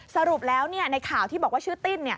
สรุปแล้วในข่าวที่บอกว่าชื่อติ้น